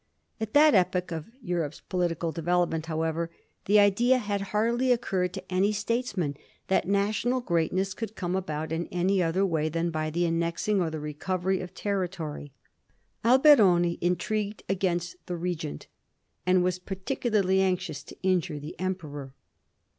At that epoch of Europe's political development, however, the idea had hardly occurred to any statesman that national greatness could come about in any other way than by the annexing or the recovery of territory. Albe Toni intrigued against the Regent, and was particu larly anxious to injure the Emperor.